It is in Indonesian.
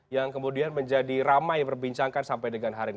yang kemudian menjadi ramai berbincangkan sampai dengan hari ini